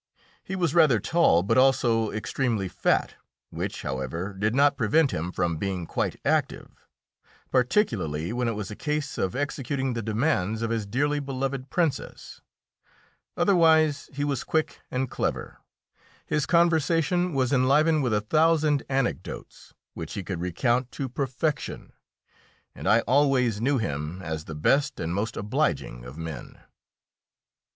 He was rather tall, but also extremely fat, which, however, did not prevent him from being quite active, particularly when it was a case of executing the demands of his dearly beloved Princess. Otherwise he was quick and clever, his conversation was enlivened with a thousand anecdotes which he could recount to perfection, and I always knew him as the best and most obliging of men.